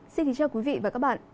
xin kính chào quý vị và các bạn